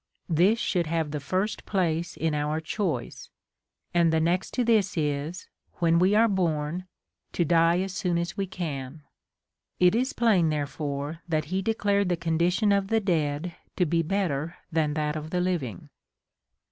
This should have the first place in our choice ; and the next to this is, when we are born, to die as soon as we can.' It is plain therefore, that he declared the condition of the dead to be better than that of the living."